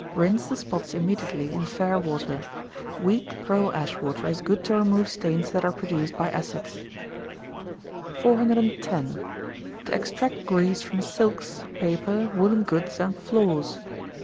Rinse the spots immediately, in fair water. Weak pearl ash water is good to remove stains that are produced by acids. 410. _To extract Grease from Silks, Paper, Woollen Goods, and Floors.